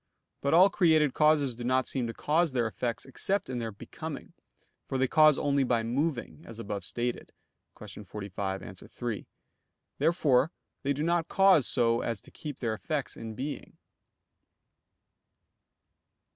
But all created causes do not seem to cause their effects except in their becoming, for they cause only by moving, as above stated (Q. 45, A. 3). Therefore they do not cause so as to keep their effects in being.